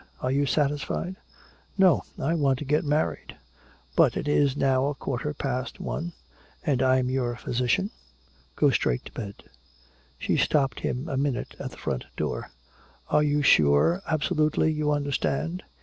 "Are you satisfied?" "No I want to get married. But it is now a quarter past one. And I'm your physician. Go straight to bed." She stopped him a minute at the front door: "Are you sure, absolutely, you understand?"